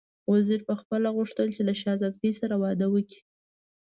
وزیر پخپله غوښتل چې له شهزادګۍ سره واده وکړي.